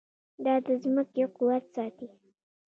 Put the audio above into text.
دا د ځمکې قوت ساتي.